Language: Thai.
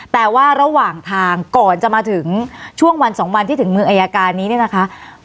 แต่ว่าระหว่างทางก่อนจะมาถึงช่วงวันสองวันที่ถึงมืออายการนี้เนี่ยนะคะ